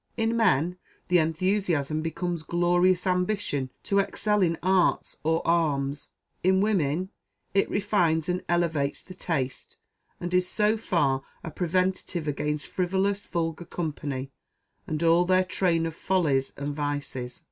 In men, the enthusiasm becomes glorious ambition to excel in arts or arms; in women, it refines and elevates the taste, and is so far a preventive against frivolous, vulgar company, and all their train of follies and vices.